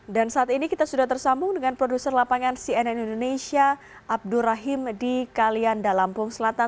dan saat ini kita sudah tersambung dengan produser lapangan cnn indonesia abdur rahim di kalian dalampung selatan